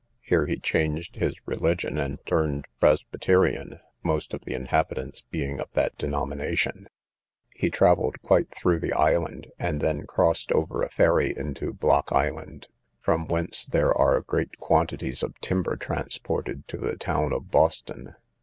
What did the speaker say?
Here he changed his religion, and turned Presbyterian, most of the inhabitants being of that denomination: he travelled quite through the island, and then crossed over a ferry into Block island, from whence there are great quantities of timber transported to the town of Boston.